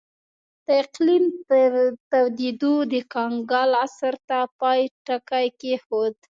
د اقلیم تودېدو د کنګل عصر ته پای ټکی کېښود.